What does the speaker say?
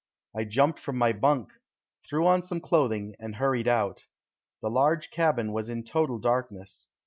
I jumped from my bunk, threw on some clothing, and hurried out. The large cabin was in total darkness.